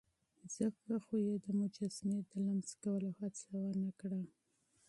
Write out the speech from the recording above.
ځکه خو يې د مجسمې د لمس کولو هڅه ونه کړه.